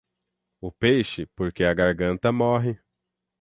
O peixe, porque a garganta morre.